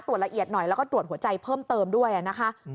ละเอียดหน่อยแล้วก็ตรวจหัวใจเพิ่มเติมด้วยนะคะ